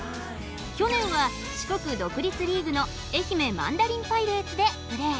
去年は四国独立リーグの愛媛マンダリンパイレーツでプレー。